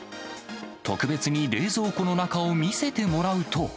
特別に冷蔵庫の中を見せてもらうと。